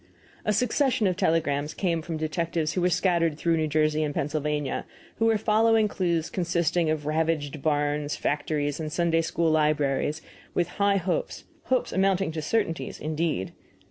A succession of telegrams came from detectives who were scattered through New Jersey and Pennsylvania, and who were following clues consisting of ravaged barns, factories, and Sunday school libraries, with high hopes hopes amounting to certainties, indeed.